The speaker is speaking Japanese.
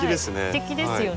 すてきですよね。